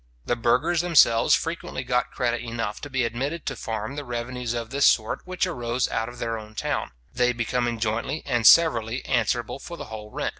The burghers themselves frequently got credit enough to be admitted to farm the revenues of this sort which arose out of their own town, they becoming jointly and severally answerable for the whole rent.